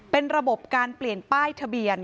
เป็นระบบการเปลี่ยนป้ายทะเบียน